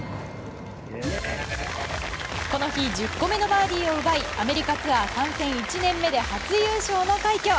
この日１０個目のバーディーを奪いアメリカツアー参戦１年目で初優勝の快挙。